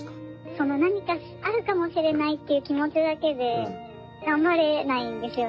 その何かあるかもしれないっていう気持ちだけで頑張れないんですよね。